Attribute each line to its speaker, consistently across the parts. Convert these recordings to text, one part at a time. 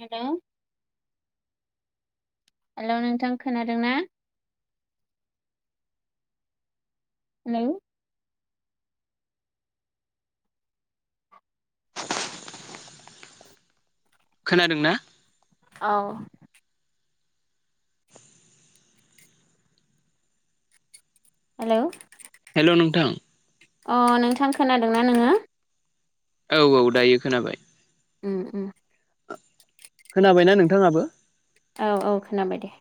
Speaker 1: हेल' hello नोंथां खोनादों ना हेलौ
Speaker 2: [inaudible] खोनादों ना
Speaker 1: औ हेलौ
Speaker 2: हेल' नोंथां
Speaker 1: अ नोंथां खोनादोंना नोङो
Speaker 2: औ औ दायो खोनाबाय
Speaker 1: उम उम
Speaker 2: खोनाबायना नोंथाङाबो?
Speaker 1: औ औ खोनाबाय दे।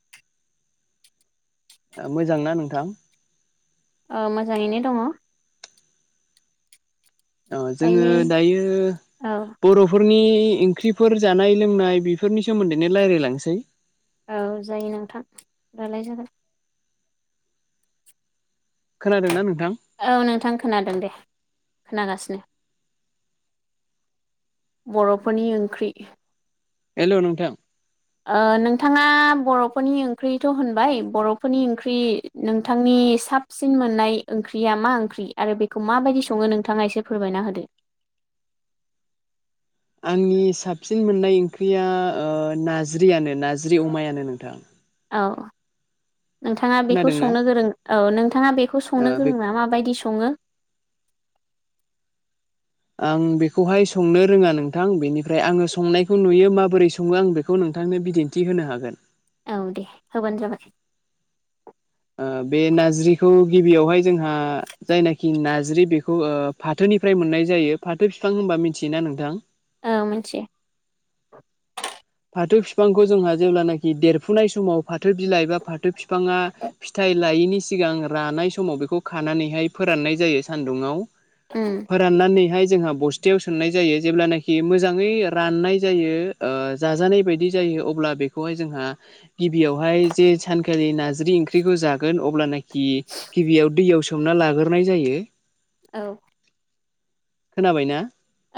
Speaker 2: ओ मोजांना नोंथां?
Speaker 1: ओ मोजाङैनो दङ।
Speaker 2: ओ जोङो
Speaker 1: दायो
Speaker 2: दायो
Speaker 1: औ
Speaker 2: बर'फोर नि ओंख्रिफोर जानाय लोंनाय बेफोरनि सोमोन्दैनो लायरायलांसै
Speaker 1: औ जायो नोंथां रायलाय जागोन।
Speaker 2: खोनादोंना नों
Speaker 1: ओ नोंथां खोनादों दे खोनागासिनो। बर'फोरनि ओंख्रि
Speaker 2: हेलौ, नोंथां।
Speaker 1: ओ नोंथाङा बर'फोरनि ओंख्रिथ' होनबाय बर'फोरनि ओंख्रि नोंथां नि साबसिन मोन्नाय ओंख्रिया मा ओंख्रि आरो बेखौ माबायदि सङो? नोंथाङा एसे फोरमायना होदो। [inaudible]
Speaker 2: आंनि साबसिन मोननाय ओंख्रिया ओ नारज्रियानो नारज्रि अमायानो नोंथां।
Speaker 1: अ नोंथाङा बेखौ
Speaker 2: खोनादोंना
Speaker 1: संनो गोरों औ नोंथाङा बेखौ
Speaker 2: ओ
Speaker 1: संनो
Speaker 2: बे
Speaker 1: गोरोंना माबायदि स सङो?
Speaker 2: आं बेखौहाय संनो रोङा नोंथां बेनिफ्राय आङो संनायखौ नुयो माबोरै सङो आं बेखौ नों थांनो बिदिन्थि होनो हागोन।
Speaker 1: औ दे होबानो जाबाय
Speaker 2: ओ बे नाज्रिखौ गिबियावहाय जोंहा जायनाखि नाज्रि बेखौ ओ फाथोनिफ्राय मोन नाय जायो फाथो फिफां होनबा मिनथियो ना नोंथां?
Speaker 1: ओ मोनसियो।
Speaker 2: फाथो फिफांखौ जोंहा जेब्लानाखि देरफुनाय समाव फाथो बिलाइ बा फाथो फिफाङा फिथाइ लायैनि सिगां रानाय समाव बेखौ खानानैहाय फोराननाय जायो सान्दुङाव
Speaker 1: उम
Speaker 2: फोराननानैहाय जोंहा बस्तायाव सोमनाय जायो जेब्लानाखि मोजाङै राननाय जायो ओ जाजानाय बायदि जायो अब्ला बेखौहाय जोंहा गिबियावहाय जे सानखालि ना ज्रि ओंख्रिखौ जागोन अब्लानाखि गिबियाव दैयाव सोमना लागोरनाय जायो।
Speaker 1: औ
Speaker 2: खोनाबाय ना?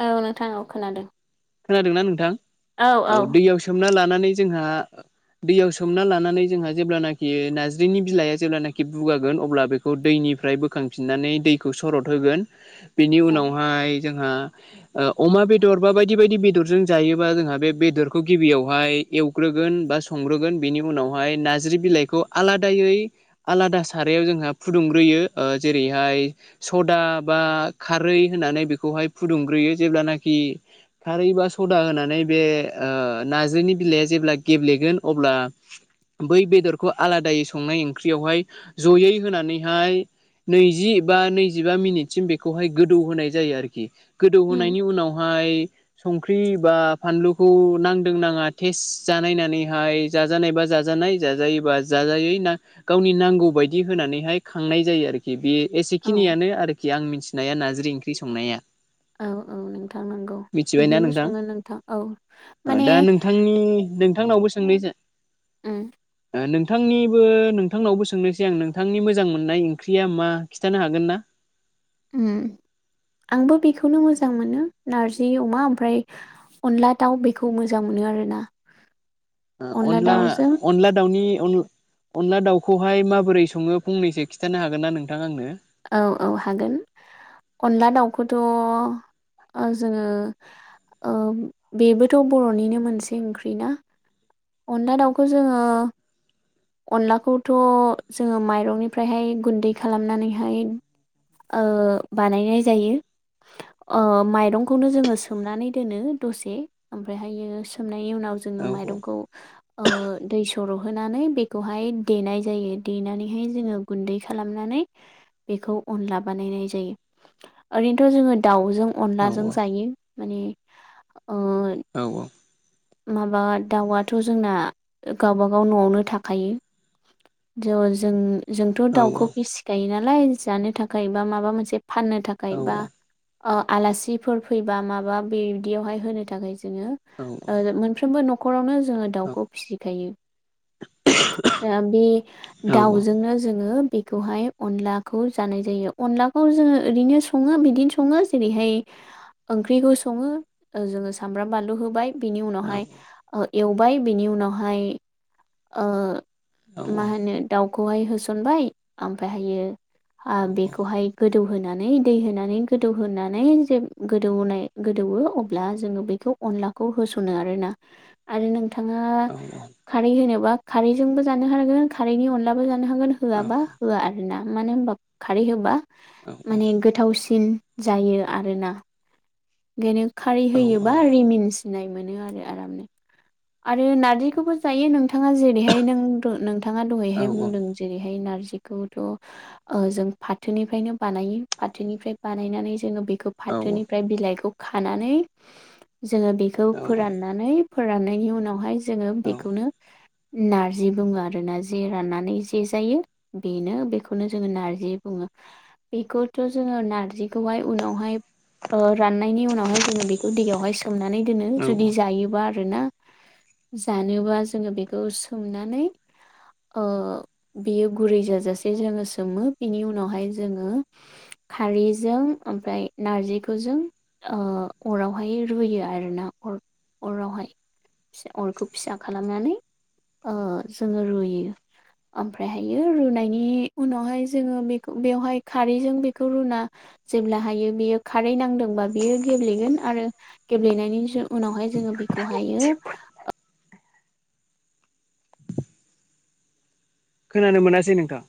Speaker 1: औ नोंथां औ खोनादों।।
Speaker 2: खोनादोंना नोंथां औ दैयाव सोमना लानानै जोंहा दैयाव सोमना लानानै जोंहा जेब्लानाखि नाज्रिनि बिलाइया जेब्लानाखि बुगागोन अब्ला बेखौ दैनि निफ्राय बोखांफिननानै दैखौ सरद होगोन। बेनि
Speaker 1: औ
Speaker 2: उनावहाय जोंहा ओ अमा बेदर बा बाय दि बायदि बेदरजों जायोबा जोंहा बे बेदरखौ गिबियावहाय एवग्रोगोन बा संग्रोगोन बेनि उनाव हाय नाज्रि बिलाइखौ आलादायै आलादा सारायाव जोंहा फुदुंग्रोयो ओ जेरै हाय सदा बा खारै होनानै बेखौहाय फुदुंग्रोयो जेब्लानाखि खारै बा सदा होनानै बे ओ नाज्रिनि बिलाइआ जेब्ला गेब्लेगोन अब्ला बै बेदरखौ आलादायै संनाय ओंख्रियावहाय जयै होनानैहाय नैजि बा नैजिबा मिनिटसिम बेखौहाय गोदौ होनाय जायो आरोखि।
Speaker 1: उम
Speaker 2: गोदौहोनायनि उनावहाय संख्रि बा फानलुखौ नांदों नाङा टेस जानायनानैहाय जाजानाय बा जाजा नाय जाजायोबा जाजायै ना गावनि नांगौ बायदि होनानैहाय खांनाय जायो आरोखि बे
Speaker 1: औ
Speaker 2: एसेखिनियानो आरोखि आं मिथिनाया नाज्रि ओंख्रि संनाया।
Speaker 1: औ औ नोंथां नोंगौ।
Speaker 2: मिथिबायना नोंथां? ओ
Speaker 1: माने
Speaker 2: दा नोंथांनि नोंथांनावबो सोंनाय जा
Speaker 1: ओ
Speaker 2: नोंथांनिबो नोंथांनावबो सोंनोसै आं नोंथांनि मोजां मोननाय ओंख्रिया मा खिन्थानो हागोन ना
Speaker 1: उम आंबो बेखौनो मोजां मोनो नारजि अमा ओमफ्राय अनला दाउ बेखौ मोजां मोनो आरो ना
Speaker 2: अनला अनला दाउनि न' अनला दाउखौहाय माबोरै सङो फंनैसो खिथानो हागोन ना नोंथां आंनो
Speaker 1: औ औ हागोन अनला दाउखौथ' जोङो बेबोथ' बर'निनो मोनसे ओंख्रि ना अनला दाउखौ जोङो अनलाखौथ' जोङो माइरंनिफ्रायहाय गुन्दै खालामनानैहाय बानायनाय जायो माइरंखौनो जोङो सोमनानै दोनो दसे ओमफ्रायहायो सोम सोमनायनि उनाव
Speaker 2: औ
Speaker 1: मायरंखौ दै सरह नानै बे खौहाय देनाय जायो देनानैहाय जोङो गुन्दै खालामनानै बेखौ अनलाबानाय ओरैनोथ' जोङो दाउजों अनलाजों
Speaker 2: औ
Speaker 1: जायो मान
Speaker 2: औ
Speaker 1: माबा दाउआथ' जोंना गावबागाव न'आवनो थाख खायो ज' जों जोंथ'
Speaker 2: औ औ
Speaker 1: दाउखौ फिसिखायोनाल नालाय जानो थाखाय बा माबा मोनसे फाननो थाखाय बा आलासिफोर फैबा माबा बिदियावहाय होनो थाखाय जोङो मोनफ्रोमबो न न'खरावनो जोङो दाउखौ फिसिखायो बे दाउजोंनो जोङो बेखौहाय अनलाखौ जानाय जायो अनलाखौ जोङो ओरैनो सङो बिदिनो सङो जेरैहाय ओंख्रिखौ सङो जोङो सामब्राम बानलु होबाय बिनि उनावहाय एवबाय बिनि उनावहाय मा होनो दाउखौहाय होसनबाय ओमफफ्रायहायो
Speaker 2: औ
Speaker 1: बेखौहाय गोदौहानै दै होनानै गोदौहोनानै जे गोदौनाय गोदौ अ ज बेखौखौ होनो आरोना आरो नोंथाङा
Speaker 2: औ औ
Speaker 1: खारै होनोबा खारैजोंबो जानो हागोन खारैनि अनलाबो ज' होन होआबा
Speaker 2: खोनानो
Speaker 1: होआ आरो ना मानो होनबा खारै होबा माने गोथावसिन जायो आरोना बेओंखायनो खारै होयोबा रिमिन सिनाय मोनो आरो आरामनो आरो नारजिखौबो जायो नोंथाङा जेरैहाय नों नोंथाङा दहैहाय बुंदों जेरैहाय नारजिखौहाय फाथैनिफ्रायनो बानायो जोङो बेखौ फाथोनिफ्राय बिलाइखौ खानानै जोङो बेखौ फोराननानै फोराननायनि उनावहाय जोङो बेखौनो नार्जि बुङो आरोना जे राननानै जे जायो बेनो बेखौनो जोङो नार्जि बुङो बेखौथ' जोङो नारजिखौ उनावहाय राननायनि उनावहाय जोङो बेखौ दैगयावहाय सोमनानै दोनो जुदि जायोबा आरोना जानोबा जोङो बेखौ सोमनानै बेयो गुरै जाजासे जोङो सोमो बिनि उनावहाय जोङो खारैजों ओमफ्राय नारजिखौजों अरावहाय रुयो आर ना अर अरावहाय अरखौ फिसा खालामनानै जोङो रुयो ओमफ्रायहायो रुनायनि उनावहाय जोङो बेखौ बेवहाय खारैजों बेखौ रुना जेब्ला हायो बेयो खारै नांदोंबा बे बियो गेब्लेगोन आरो गेब्लेनायनि उनावहाय जोङो बेखौहायो
Speaker 2: खोनानो मोनासै नोंथां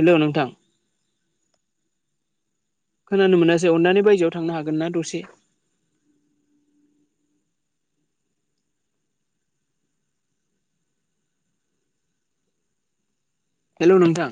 Speaker 2: हेल' नोंथां खोनानो मोनासै अननानै बायजोआव थांनो हागोन ना दसे? हेलौ नोंथां।